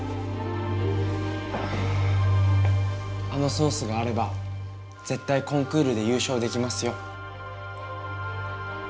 あのソースがあればぜっ対コンクールでゆう勝できますよ。